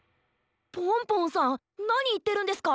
ポンポンさんなにいってるんですか？